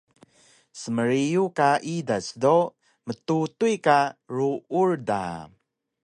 Smriyu ka idas do mtutuy ka ruur da